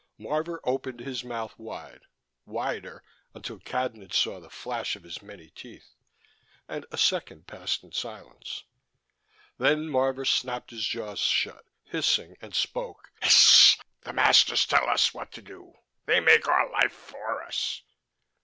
Marvor opened his mouth wide, wider, until Cadnan saw the flash of his many teeth, and a second passed in silence. Then Marvor snapped his jaws shut, hissing, and spoke. "The masters tell us what to do. They make our life for us."